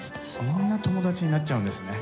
みんな友達になっちゃうんですね。